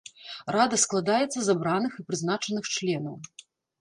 Рада складаецца з абраных і прызначаных членаў.